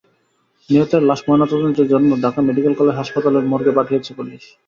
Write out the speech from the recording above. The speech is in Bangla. নিহতের লাশ ময়নাতদন্তের জন্য ঢাকা মেডিকেল কলেজ হাসপতালের মর্গে পাঠিয়েছে পুলিশ।